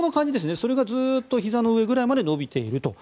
それがひざの上くらいまで伸びている。